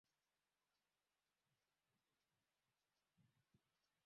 ya bangi ya ndani yalipigwa marufuku chini ya utawala wa rais mrengo wa